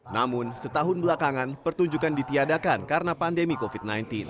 namun setahun belakangan pertunjukan ditiadakan karena pandemi covid sembilan belas